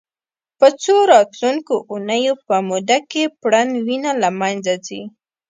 په څو راتلونکو اونیو په موده کې پرڼ وینه له منځه ځي.